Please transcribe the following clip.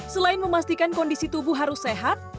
selain memastikan kondisi tubuh harus sehat